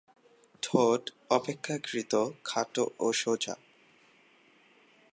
ঠোঁট অপেক্ষাকৃত খাটো ও সোজা।